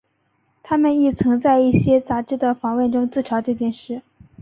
他们亦曾在一些杂志的访问里自嘲这件事。